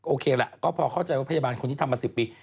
โอเคแหละก็พอเข้าใจว่าพยาบาลคนที่ทำมา๑๐ปี